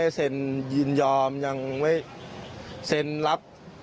เยี่ยมมากครับ